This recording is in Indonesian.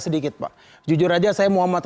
sedikit pak jujur aja saya muhammad